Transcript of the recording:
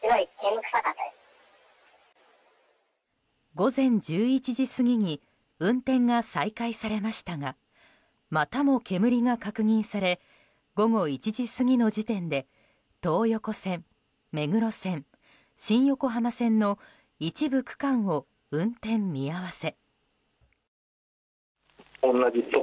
午前１１時過ぎに運転が再開されましたがまたも煙が確認され午後１時過ぎの時点で東横線、目黒線、新横浜線の一部区間を運転見合わせ。